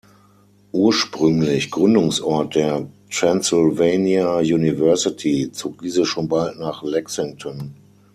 Ursprünglich Gründungsort der "Transylvania University", zog diese schon bald nach Lexington.